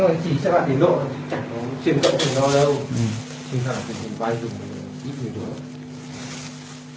không nên chỉ bạn tiến lộ chẳng có tình yêu do đúng chưa